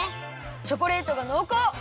チョコレートがのうこう！